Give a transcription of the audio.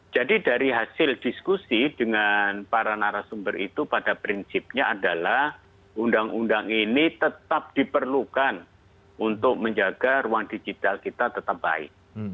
jadi dari hasil diskusi dengan para narasumber itu pada prinsipnya adalah undang undang ini tetap diperlukan untuk menjaga ruang digital kita tetap baik